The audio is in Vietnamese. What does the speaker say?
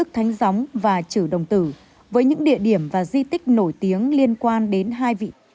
thánh gióng và trừ đồng tử với những địa điểm và di tích nổi tiếng liên quan đến hai vị